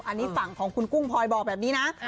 อันนี้ฝั่งของคุณกุ้งพลอยบอกแบบนี้นะ